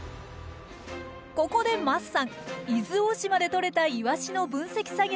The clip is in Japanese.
ここで桝さん伊豆大島でとれたイワシの分析作業をお手伝い。